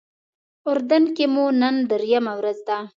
اردن کې مو نن درېیمه ورځ ده.